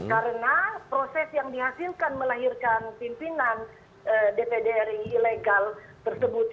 karena proses yang dihasilkan melahirkan pimpinan dpd ri ilegal tersebut